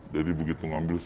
jadi begitu ngambil